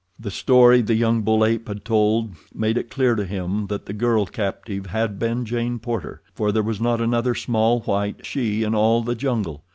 The story the young bull ape had told made it clear to him that the girl captive had been Jane Porter, for there was not another small white "she" in all the jungle.